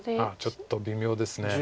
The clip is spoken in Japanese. ちょっと微妙です。